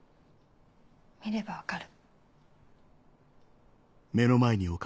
見れば分かる。